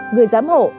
người giám hộ